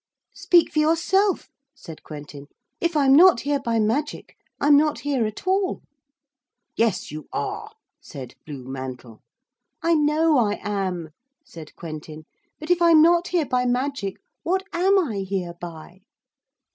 'Speak for yourself,' said Quentin. 'If I'm not here by magic I'm not here at all.' 'Yes, you are,' said Blue Mantle. 'I know I am,' said Quentin, 'but if I'm not here by magic what am I here by?'